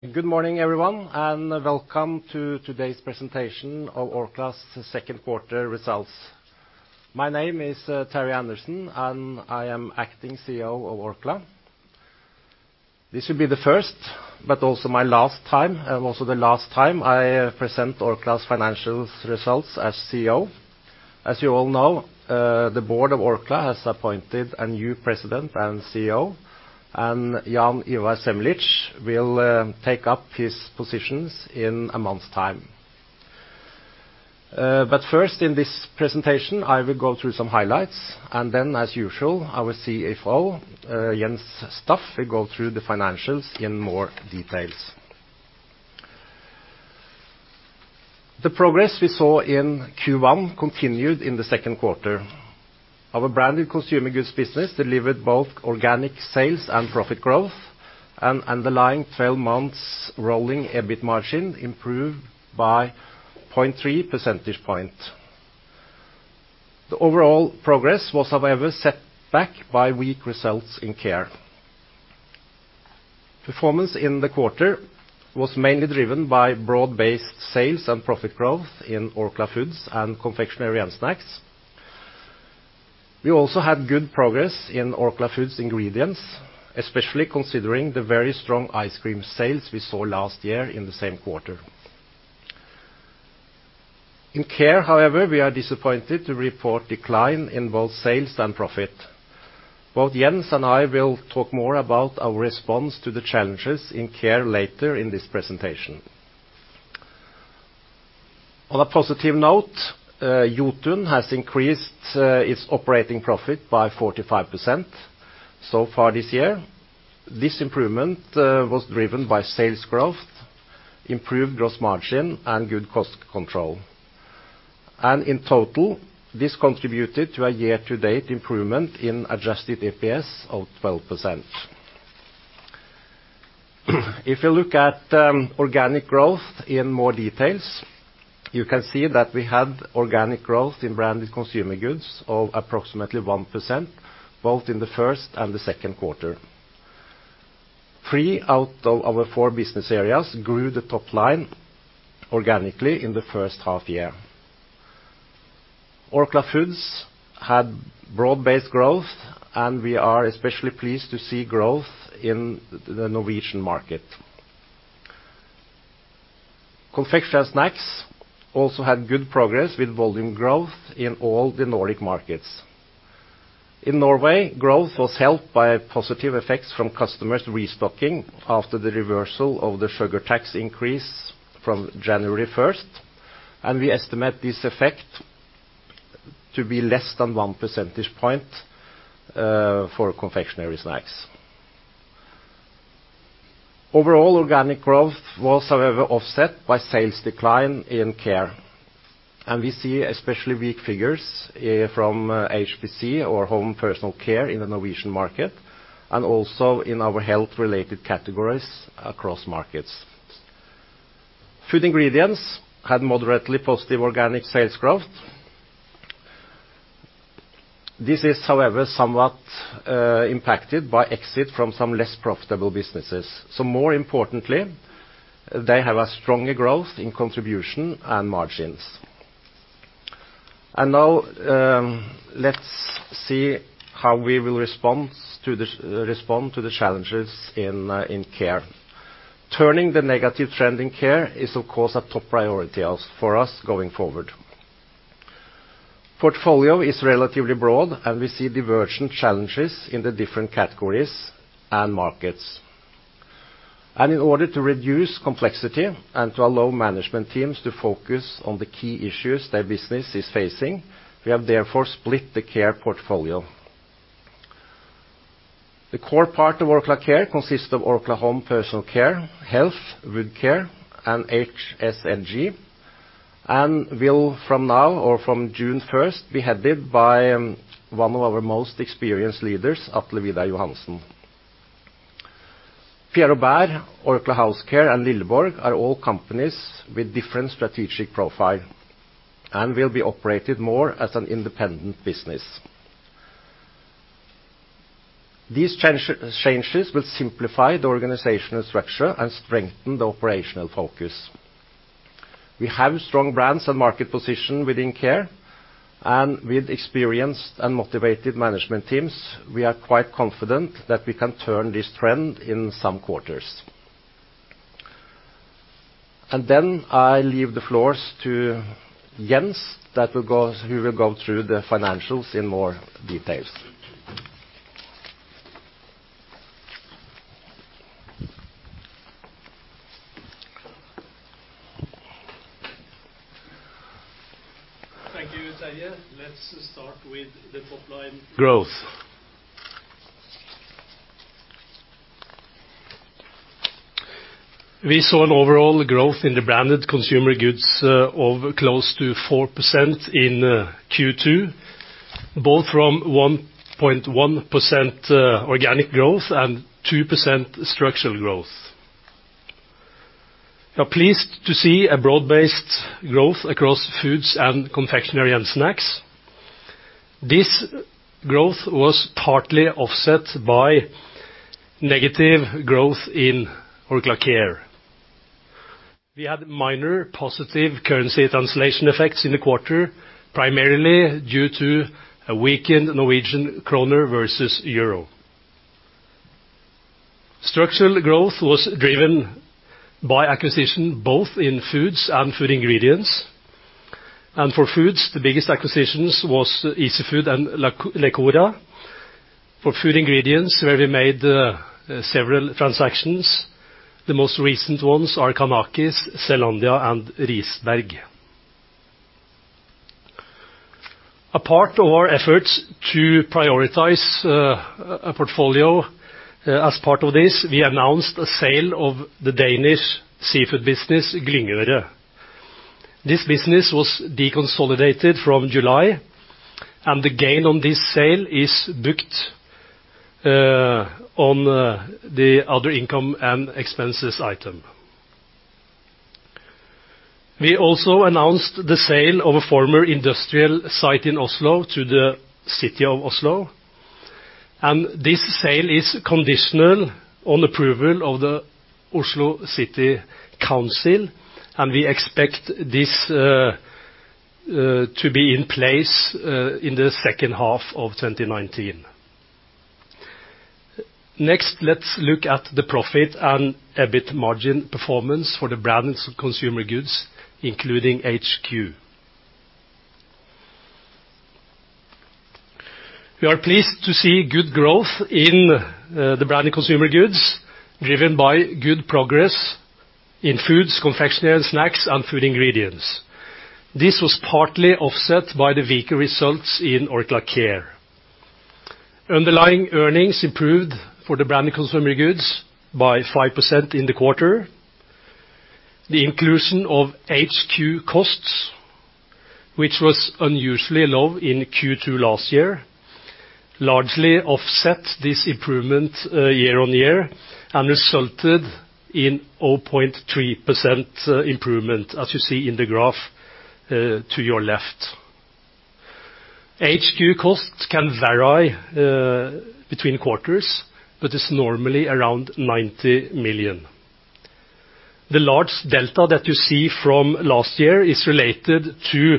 Good morning, everyone, welcome to today's presentation of Orkla's second quarter results. My name is Terje Andersen, I am acting CEO of Orkla. This will be the first, but also my last time, also the last time I present Orkla's financial results as CEO. As you all know, the board of Orkla has appointed a new President and CEO, Jaan Ivar Semlitsch will take up his positions in a month's time. First, in this presentation, I will go through some highlights, then, as usual, our CFO, Jens Bjørn Staff, will go through the financials in more details. The progress we saw in Q1 continued in the second quarter. Our branded consumer goods business delivered both organic sales and profit growth, and underlying 12 months rolling EBIT margin improved by 0.3 percentage point. The overall progress was, however, set back by weak results in Care. Performance in the quarter was mainly driven by broad-based sales and profit growth in Orkla Foods and Confectionery & Snacks. We also had good progress in Orkla Food Ingredients, especially considering the very strong ice cream sales we saw last year in the same quarter. In Care, however, we are disappointed to report decline in both sales and profit. Both Jens and I will talk more about our response to the challenges in Care later in this presentation. On a positive note, Jotun has increased its operating profit by 45% so far this year. This improvement was driven by sales growth, improved gross margin, and good cost control. In total, this contributed to a year-to-date improvement in adjusted EPS of 12%. If you look at organic growth in more details, you can see that we had organic growth in branded consumer goods of approximately 1%, both in the first and the second quarter. Three out of our four business areas grew the top line organically in the first half year. Orkla Foods had broad-based growth, we are especially pleased to see growth in the Norwegian market. Confectionery & Snacks also had good progress, with volume growth in all the Nordic markets. In Norway, growth was helped by positive effects from customers restocking after the reversal of the sugar tax increase from January 1st, we estimate this effect to be less than one percentage point for Confectionery & Snacks. Overall, organic growth was, however, offset by sales decline in Care, we see especially weak figures from HPC, or Orkla Home & Personal Care, in the Norwegian market and also in our health-related categories across markets. Food Ingredients had moderately positive organic sales growth. This is, however, somewhat impacted by exit from some less profitable businesses. More importantly, they have a stronger growth in contribution and margins. Now, let's see how we will respond to the challenges in Care. Turning the negative trend in Care is, of course, a top priority for us going forward. Portfolio is relatively broad, we see divergent challenges in the different categories and markets. In order to reduce complexity and to allow management teams to focus on the key issues their business is facing, we have therefore split the Care portfolio. The core part of Orkla Care consists of Orkla Home & Personal Care, Health, Wood Care, and HSNG, and will from now or from June 1st, be headed by one of our most experienced leaders, Atle Vidar Johansen. Pierre Robert Group, Orkla House Care, and Lilleborg are all companies with different strategic profile and will be operated more as an independent business. These changes will simplify the organizational structure and strengthen the operational focus. We have strong brands and market position within Care, and with experienced and motivated management teams, we are quite confident that we can turn this trend in some quarters. I leave the floors to Jens, who will go through the financials in more details. Thank you, Terje. Let's start with the top-line growth. We saw an overall growth in the branded consumer goods of close to 4% in Q2, both from 1.1% organic growth and 2% structural growth. We are pleased to see a broad-based growth across Foods and Confectionery & Snacks. This growth was partly offset by negative growth in Orkla Care. We had minor positive currency translation effects in the quarter, primarily due to a weakened Norwegian kroner versus EUR. Structural growth was driven by acquisition, both in foods and food ingredients. For foods, the biggest acquisitions was Easyfood and Lecora. For food ingredients, where we made several transactions, the most recent ones are Kanakis, Zeelandia, and Risberg. A part of our efforts to prioritize a portfolio. As part of this, we announced the sale of the Danish seafood business, Glyngøre. This business was deconsolidated from July, and the gain on this sale is booked on the other income and expenses item. We also announced the sale of a former industrial site in Oslo to the City of Oslo, and this sale is conditional on approval of the Oslo City Council, and we expect this to be in place in the second half of 2019. Next, let's look at the profit and EBIT margin performance for the Branded Consumer Goods, including HQ. We are pleased to see good growth in the Branded Consumer Goods, driven by good progress in foods, Confectionery & Snacks, and food ingredients. This was partly offset by the weaker results in Orkla Care. Underlying earnings improved for the Branded Consumer Goods by 5% in the quarter. The inclusion of HQ costs, which was unusually low in Q2 last year, largely offset this improvement year-on-year and resulted in 0.3% improvement, as you see in the graph to your left. HQ costs can vary between quarters but is normally around 90 million. The large delta that you see from last year is related to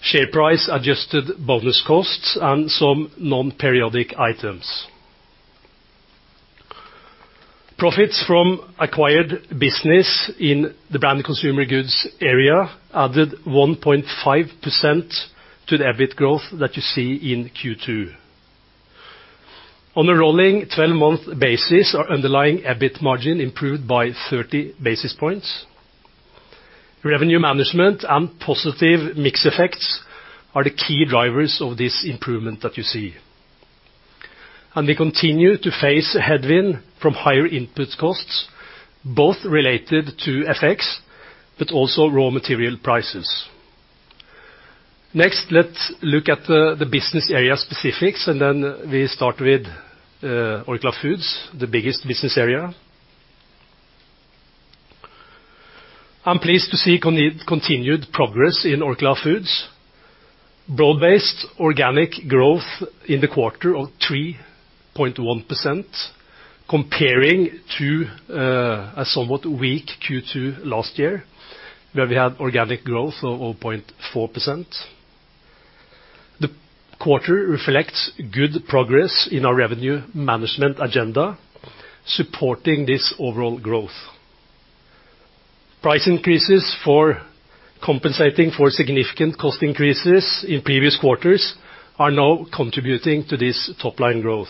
share price adjusted bonus costs and some non-periodic items. Profits from acquired business in the Branded Consumer Goods area added 1.5% to the EBIT growth that you see in Q2. On a rolling 12-month basis, our underlying EBIT margin improved by 30 basis points. Revenue management and positive mix effects are the key drivers of this improvement that you see. We continue to face a headwind from higher input costs, both related to FX but also raw material prices. Next, let us look at the business area specifics. We start with Orkla Foods, the biggest business area. I am pleased to see continued progress in Orkla Foods. Broad-based organic growth in the quarter of 3.1%, comparing to a somewhat weak Q2 last year, where we had organic growth of 0.4%. The quarter reflects good progress in our revenue management agenda, supporting this overall growth. Price increases for compensating for significant cost increases in previous quarters are now contributing to this top-line growth.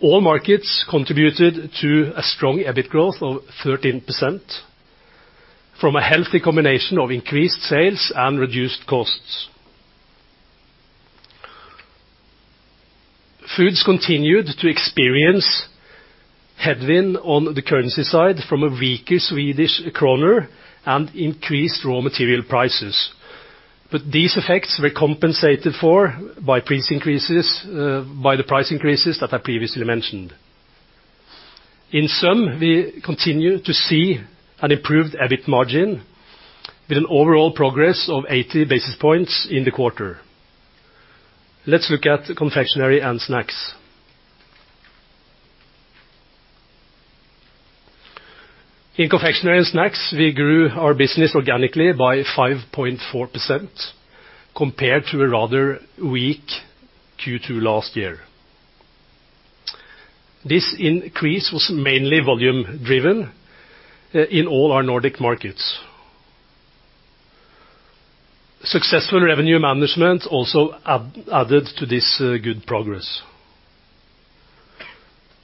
All markets contributed to a strong EBIT growth of 13% from a healthy combination of increased sales and reduced costs. Foods continued to experience headwind on the currency side from a weaker Swedish kroner and increased raw material prices. These effects were compensated for by the price increases that I previously mentioned. In sum, we continue to see an improved EBIT margin with an overall progress of 80 basis points in the quarter. Let us look at Confectionery & Snacks. In Confectionery & Snacks, we grew our business organically by 5.4%, compared to a rather weak Q2 last year. This increase was mainly volume driven in all our Nordic markets. Successful revenue management also added to this good progress.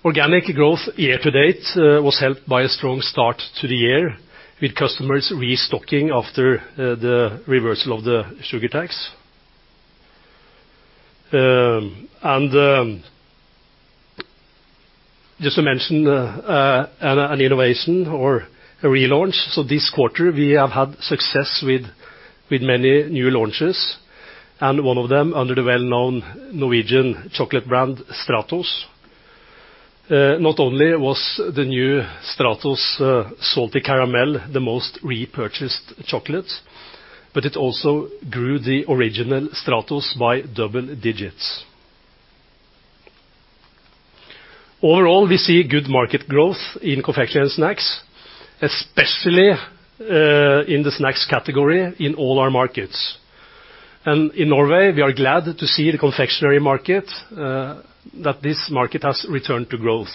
Organic growth year-to-date was helped by a strong start to the year, with customers restocking after the reversal of the sugar tax. Just to mention an innovation or a relaunch. This quarter, we have had success with many new launches and one of them under the well-known Norwegian chocolate brand, Stratos. Not only was the new Stratos Salty Caramel the most repurchased chocolate, but it also grew the original Stratos by double digits. Overall, we see good market growth in Confectionery & Snacks, especially in the snacks category in all our markets. In Norway, we are glad to see the confectionery market has returned to growth.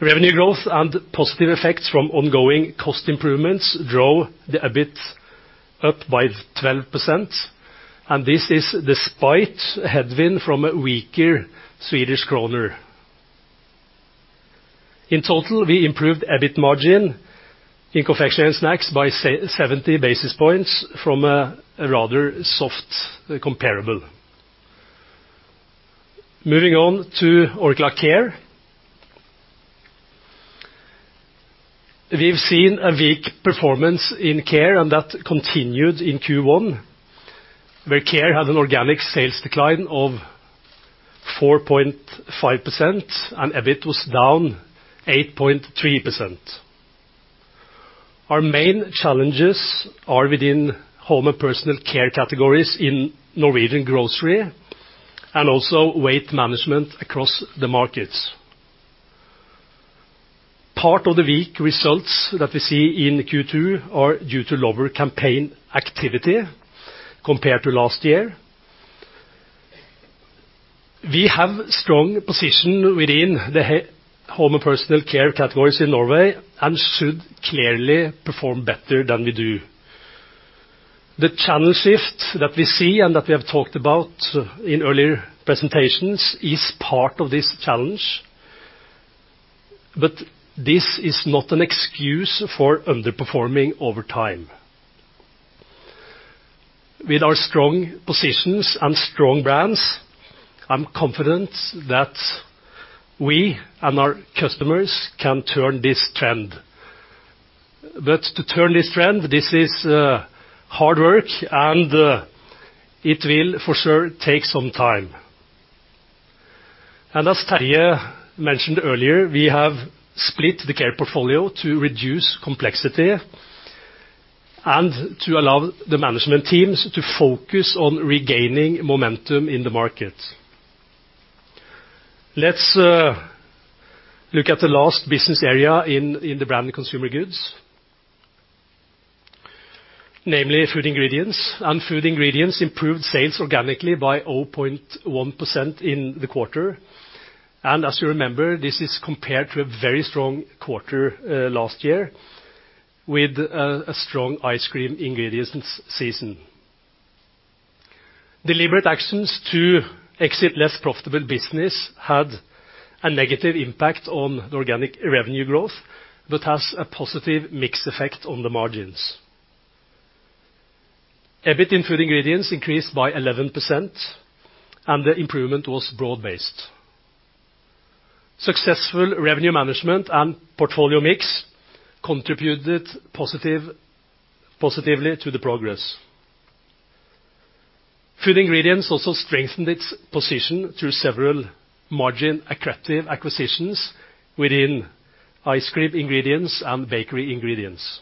Revenue growth and positive effects from ongoing cost improvements drove the EBIT up by 12%. This is despite a headwind from a weaker Swedish kroner. In total, we improved EBIT margin in Confectionery & Snacks by 70 basis points from a rather soft comparable. Moving on to Orkla Care. We have seen a weak performance in Care, and that continued in Q1, where Care had an organic sales decline of 4.5% and EBIT was down 8.3%. Our main challenges are within Home & Personal Care categories in Norwegian grocery and also weight management across the markets. Part of the weak results that we see in Q2 are due to lower campaign activity compared to last year. We have strong position within the Home & Personal Care categories in Norway and should clearly perform better than we do. The channel shift that we see and that we have talked about in earlier presentations is part of this challenge. This is not an excuse for underperforming over time. With our strong positions and strong brands, I am confident that we and our customers can turn this trend. To turn this trend, this is hard work and it will for sure take some time. As Terje mentioned earlier, we have split the Care portfolio to reduce complexity and to allow the management teams to focus on regaining momentum in the market. Let us look at the last business area in the branded consumer goods, namely Food Ingredients. Food ingredients improved sales organically by 0.1% in the quarter. As you remember, this is compared to a very strong quarter last year with a strong ice cream ingredients season. Deliberate actions to exit less profitable business had a negative impact on the organic revenue growth that has a positive mix effect on the margins. EBIT in Food ingredients increased by 11%, and the improvement was broad-based. Successful revenue management and portfolio mix contributed positively to the progress. Food ingredients also strengthened its position through several margin accretive acquisitions within ice cream ingredients and bakery ingredients.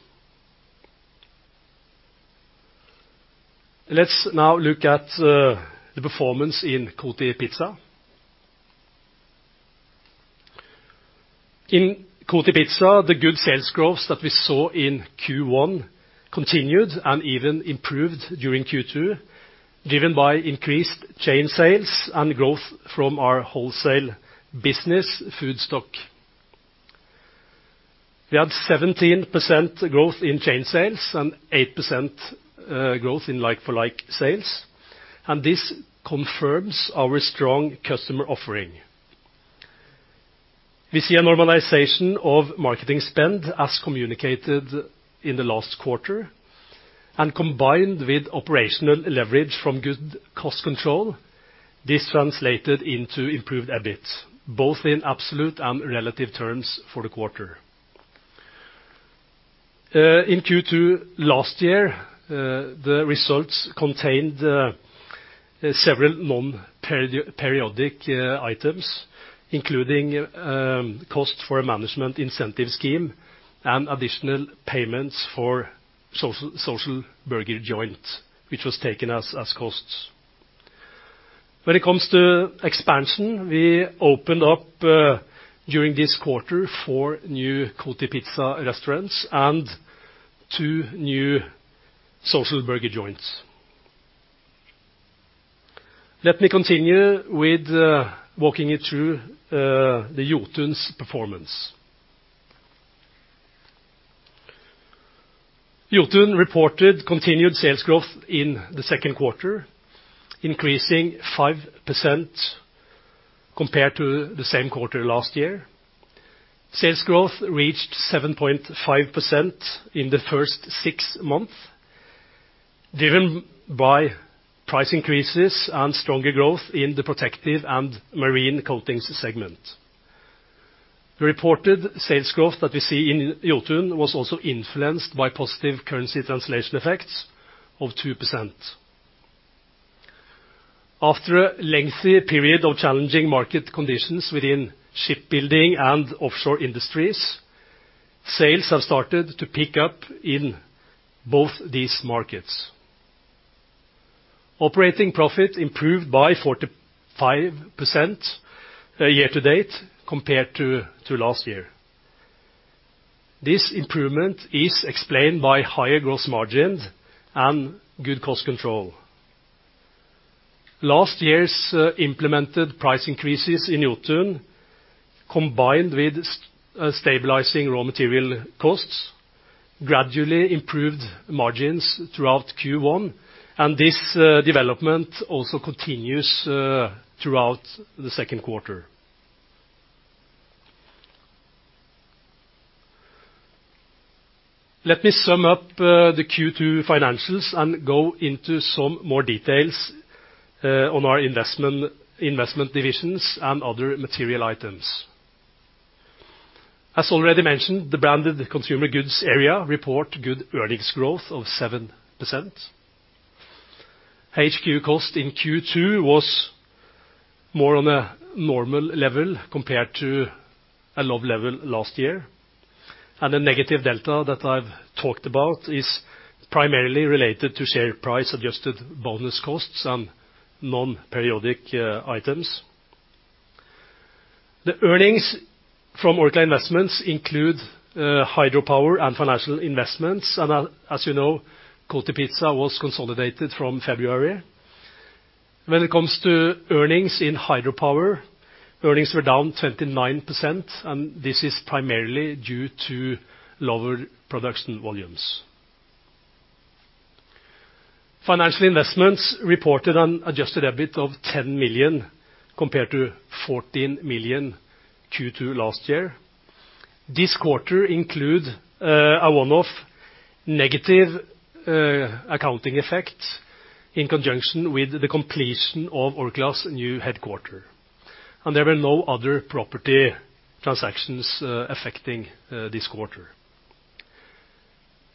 Let's now look at the performance in Kotipizza. In Kotipizza, the good sales growth that we saw in Q1 continued and even improved during Q2, driven by increased chain sales and growth from our wholesale business FoodSolutions. We had 17% growth in chain sales and 8% growth in like-for-like sales, and this confirms our strong customer offering. We see a normalization of marketing spend as communicated in the last quarter, and combined with operational leverage from good cost control, this translated into improved EBIT, both in absolute and relative terms for the quarter. In Q2 last year, the results contained several non-periodic items, including cost for a management incentive scheme and additional payments for Social Burgerjoint, which was taken as costs. When it comes to expansion, we opened up, during this quarter, four new Kotipizza restaurants and two new Social Burgerjoints. Let me continue with walking you through the Jotun's performance. Jotun reported continued sales growth in the second quarter, increasing 5% compared to the same quarter last year. Sales growth reached 7.5% in the first six months, driven by price increases and stronger growth in the protective and marine coatings segment. The reported sales growth that we see in Jotun was also influenced by positive currency translation effects of 2%. After a lengthy period of challenging market conditions within shipbuilding and offshore industries, sales have started to pick up in both these markets. Operating profit improved by 45% year-to-date compared to last year. This improvement is explained by higher gross margins and good cost control. Last year's implemented price increases in Jotun, combined with stabilizing raw material costs, gradually improved margins throughout Q1, and this development also continues throughout the second quarter. Let me sum up the Q2 financials and go into some more details on our investment divisions and other material items. As already mentioned, the Branded Consumer Goods area report good earnings growth of 7%. HQ cost in Q2 was more on a normal level compared to a low level last year. The negative delta that I've talked about is primarily related to share price-adjusted bonus costs and non-periodic items. The earnings from Orkla Investments include hydropower and financial investments, and as you know, Kotipizza was consolidated from February. When it comes to earnings in hydropower, earnings were down 29%, and this is primarily due to lower production volumes. Financial investments reported an adjusted EBIT of 10 million, compared to 14 million Q2 last year. This quarter include a one-off negative accounting effect in conjunction with the completion of Orkla's new headquarter, and there were no other property transactions affecting this quarter.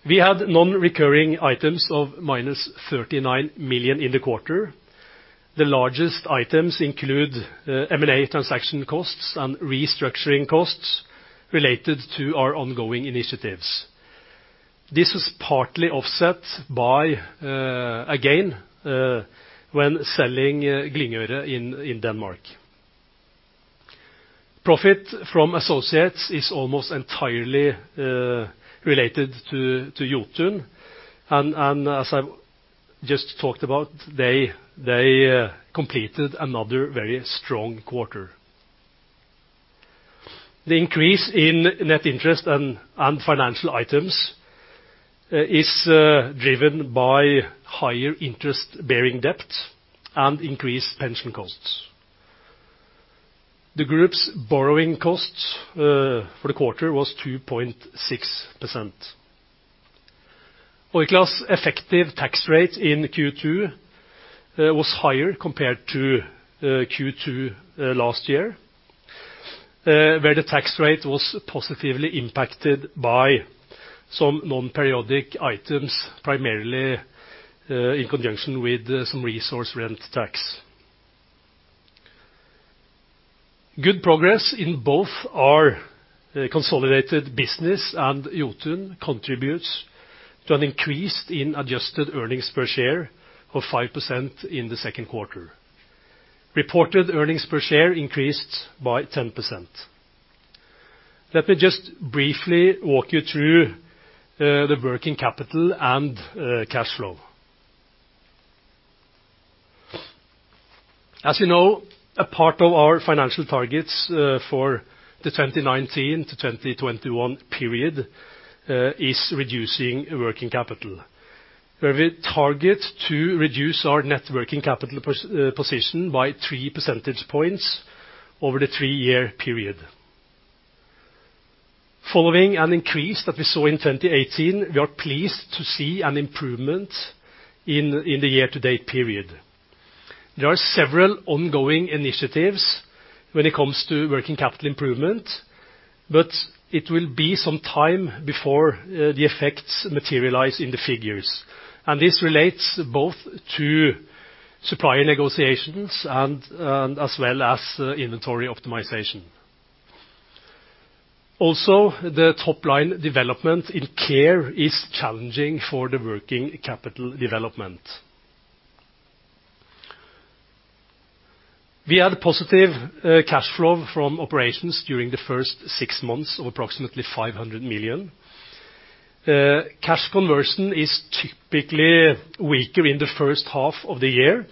We had non-recurring items of minus 39 million in the quarter. The largest items include M&A transaction costs and restructuring costs related to our ongoing initiatives. This was partly offset by a gain when selling Glyngøre in Denmark. Profit from associates is almost entirely related to Jotun, and as I just talked about, they completed another very strong quarter. The increase in net interest and financial items is driven by higher interest-bearing debt and increased pension costs. The group's borrowing costs for the quarter was 2.6%. Orkla's effective tax rate in Q2 was higher compared to Q2 last year, where the tax rate was positively impacted by some non-periodic items, primarily in conjunction with some resource rent tax. Good progress in both our consolidated business and Jotun contributes to an increase in adjusted earnings per share of 5% in the second quarter. Reported earnings per share increased by 10%. Let me just briefly walk you through the working capital and cash flow. As you know, a part of our financial targets for the 2019 to 2021 period is reducing working capital, where we target to reduce our net working capital position by three percentage points over the three-year period. Following an increase that we saw in 2018, we are pleased to see an improvement in the year-to-date period. There are several ongoing initiatives when it comes to working capital improvement, but it will be some time before the effects materialize in the figures, and this relates both to supplier negotiations and as well as inventory optimization. Also, the top-line development in Care is challenging for the working capital development. We had positive cash flow from operations during the first six months of approximately 500 million. Cash conversion is typically weaker in the first half of the year,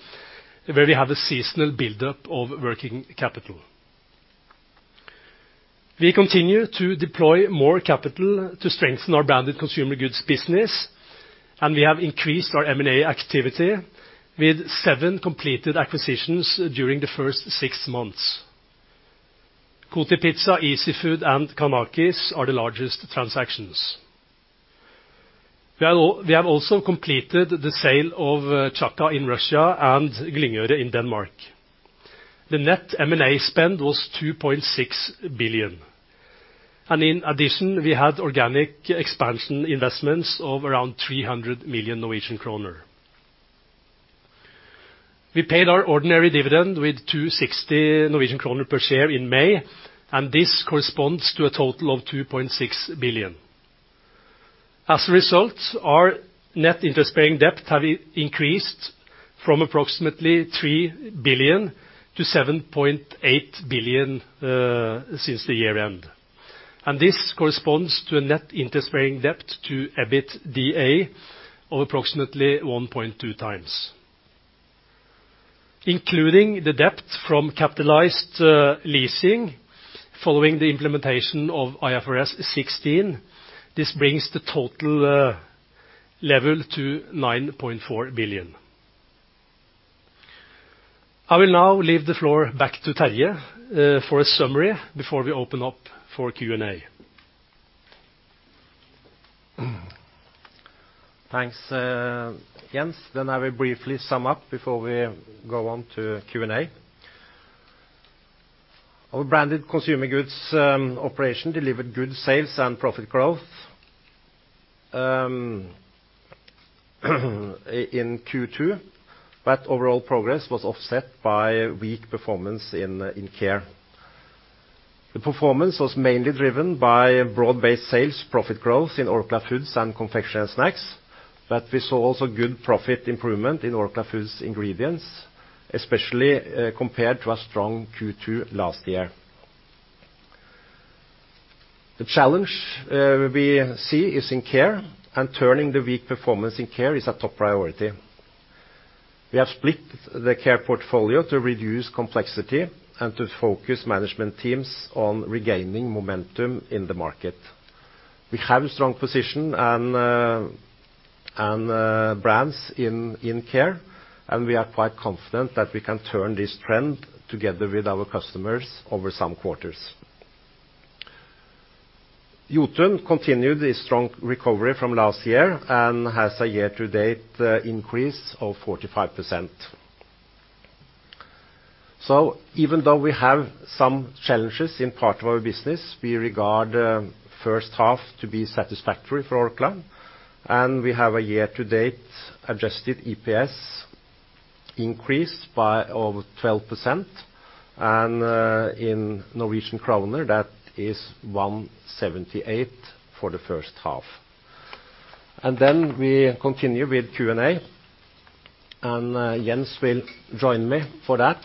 where we have a seasonal buildup of working capital. We continue to deploy more capital to strengthen our Branded Consumer Goods business, we have increased our M&A activity with seven completed acquisitions during the first six months. Kotipizza, Easyfood, and Kanakis are the largest transactions. We have also completed the sale of Chaka in Russia and Glyngøre in Denmark. The net M&A spend was 2.6 billion. In addition, we had organic expansion investments of around 300 million Norwegian kroner. We paid our ordinary dividend with 2.60 Norwegian kroner per share in May, and this corresponds to a total of 2.6 billion. As a result, our net interest-bearing debt have increased from approximately 3 billion to 7.8 billion, since the year-end. This corresponds to a net interest-bearing debt to EBITDA of approximately 1.2 times. Including the debt from capitalized leasing following the implementation of IFRS 16, this brings the total level to 9.4 billion. I will now leave the floor back to Terje for a summary before we open up for Q&A. Thanks, Jens. I will briefly sum up before we go on to Q&A. Our Branded Consumer Goods operation delivered good sales and profit growth in Q2, but overall progress was offset by weak performance in care. The performance was mainly driven by broad-based sales profit growth in Orkla Foods and Confectionery & Snacks, but we saw also good profit improvement in Orkla Food Ingredients, especially compared to a strong Q2 last year. The challenge we see is in care, and turning the weak performance in care is a top priority. We have split the care portfolio to reduce complexity and to focus management teams on regaining momentum in the market. We have a strong position and brands in care, and we are quite confident that we can turn this trend together with our customers over some quarters. Jotun continued a strong recovery from last year and has a year-to-date increase of 45%. Even though we have some challenges in part of our business, we regard first half to be satisfactory for Orkla. We have a year-to-date adjusted EPS increase by over 12%, and in NOK, that is 178 for the first half. We continue with Q&A, and Jens will join me for that.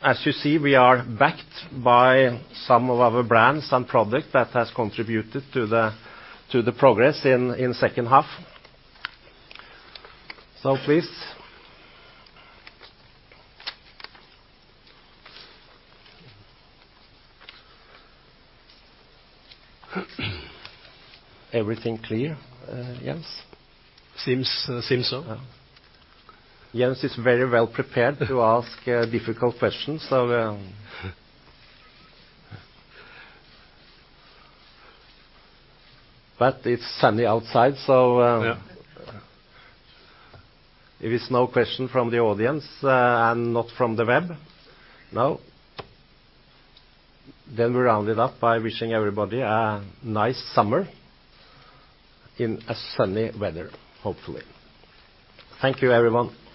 As you see, we are backed by some of our brands and product that has contributed to the progress in second half. Please. Everything clear, Jens? Seems so. Yeah. Jens is very well prepared to ask difficult questions. It's sunny outside. Yeah If it's no question from the audience, and not from the web, no? We round it up by wishing everybody a nice summer in a sunny weather, hopefully. Thank you, everyone.